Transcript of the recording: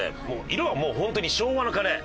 色はもうホントに昭和のカレー。